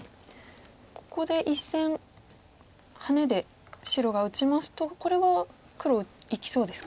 ここで１線ハネで白が打ちますとこれは黒生きそうですか？